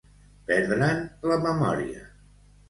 Perdre'n la memòria.